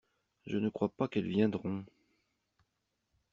Je ne crois pas qu'elles viendront.